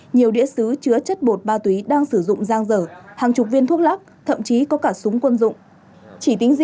nhiều đĩa xứ chứa chất bột ma túy đang sử dụng giang dở hàng chục viên thuốc lắc thậm chí có cả súng quân dụng